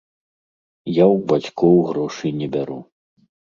Я ў бацькоў грошы не бяру.